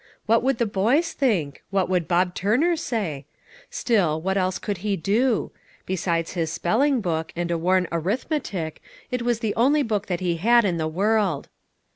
What would the boys think? What would Bob Turner say? Still, what else could he do? Besides his spelling book and a worn arithmetic, it was the only book that he had in the world.